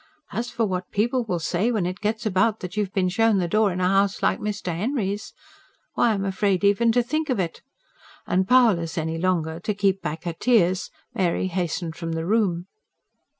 As for what people will say when it gets about that you've been shown the door in a house like Mr. Henry's why, I'm afraid even to think of it!" and powerless any longer to keep back her tears, Mary hastened from the room.